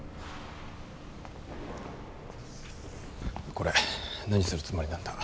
これ何するつもりなんだ。